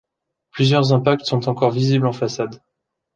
Plusieurs impacts sont encore visibles en façade.